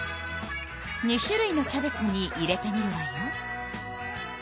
２種類のキャベツに入れてみるわよ。